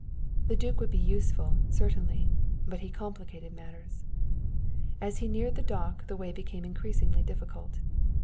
The duke would be useful certainly, but he complicated matters. As he neared the dock the way became increasingly difficult.